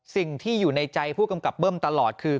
สิ่งที่อยู่ในใจผู้กำกับเบิ้มตลอดคือ